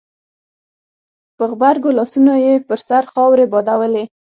په غبرګو لاسونو يې پر سر خاورې بادولې.